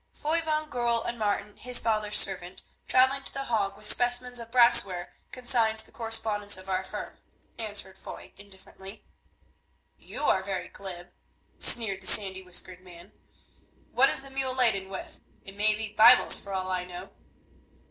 "Foy van Goorl and Martin, his father's servant, travelling to The Hague with specimens of brassware, consigned to the correspondents of our firm," answered Foy, indifferently. "You are very glib," sneered the sandy whiskered man; "what is the mule laden with? It may be Bibles for all I know."